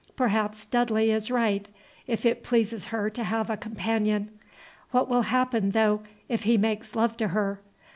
Perhaps Dudley is right, if it pleases her to have a companion. What will happen, though, if he makes love to her?